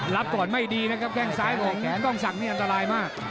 รับก่อนไม่ดีนะครับแข้งซ้ายออกแขนกล้องศักดิ์นี่อันตรายมาก